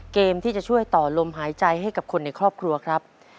เกมที่จะช่วยต่อลมหายใจให้กับคนในครอบครัวครับ